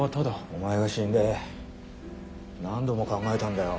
お前が死んで何度も考えたんだよ。